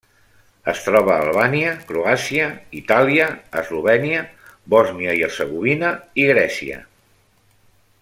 Es troba a Albània, Croàcia, Itàlia, Eslovènia, Bòsnia i Hercegovina i Grècia.